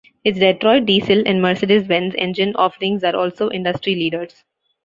Its Detroit Diesel and Mercedes-Benz engine offerings are also industry leaders.